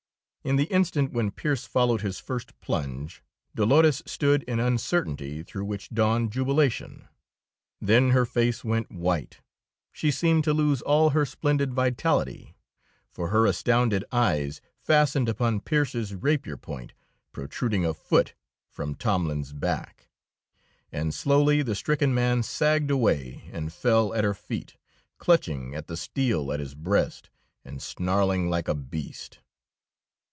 In the instant when Pearse followed his first plunge, Dolores stood in uncertainty through which dawned jubilation. Then her face went white, she seemed to lose all her splendid vitality; for her astounded eyes fastened upon Pearse's rapier point, protruding a foot from Tomlin's back, and slowly the stricken man sagged away and fell at her feet, clutching at the steel at his breast and snarling like a beast.